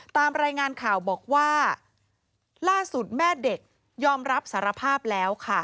ตามรายงานข่าวบอกว่าล่าสุดแม่เด็กยอมรับสารภาพแล้วค่ะ